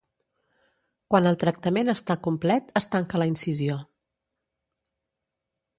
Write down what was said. Quan el tractament està complet es tanca la incisió.